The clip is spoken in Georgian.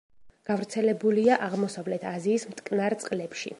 გავრცელებულია აღმოსავლეთ აზიის მტკნარ წყლებში.